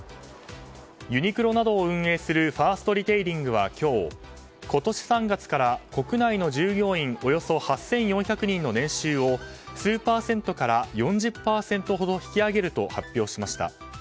ユニクロなどを運営するファーストリテイリングは今日今年３月から国内の従業員およそ８４００人の年収を数パーセントから４０％ほど引き上げると発表しました。